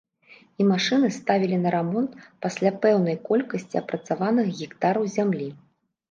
І машыны ставілі на рамонт пасля пэўнай колькасці апрацаваных гектараў зямлі.